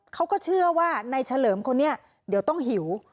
เขาก็เชื่อว่าในเฉลิมคนนี้เดี๋ยวต้องหิว